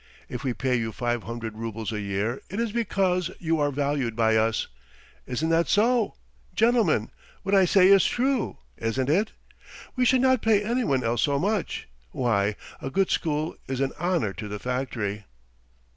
If we pay you five hundred roubles a year it is because you are valued by us. Isn't that so? Gentlemen, what I say is true, isn't it? We should not pay anyone else so much. ... Why, a good school is an honour to the factory!"